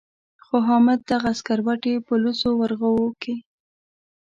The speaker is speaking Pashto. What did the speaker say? خو حامد دغه سکروټې په لوڅو ورغوو کې.